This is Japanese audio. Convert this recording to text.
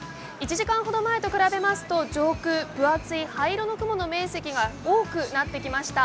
１時間ほど前と比べますと、上空分厚い灰色の雲の面積が多くなってきました。